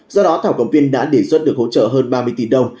do đó thảo cầm viên đã đề xuất được hỗ trợ hơn ba mươi tỷ đồng